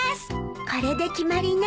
これで決まりね。